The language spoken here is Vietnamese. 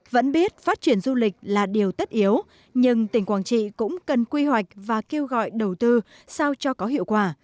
vẫn biết phát triển du lịch là điều tất yếu nhưng tỉnh quảng trị cũng cần quy hoạch và kêu gọi đầu tư sao cho có hiệu quả